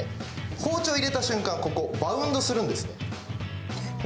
包丁を入れた瞬間、バウンドするんですね。